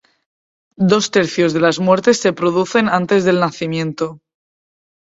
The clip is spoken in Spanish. Dos tercios de las muertes se producen antes del nacimiento.